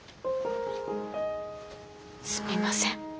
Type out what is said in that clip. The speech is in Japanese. すみません。